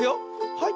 はい。